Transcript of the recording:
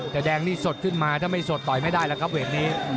แต่แดงนี่สดขึ้นถ้าปล่อยไม่ได้นะครับแบบนี้